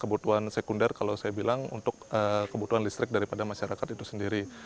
kebutuhan sekunder kalau saya bilang untuk kebutuhan listrik daripada masyarakat itu sendiri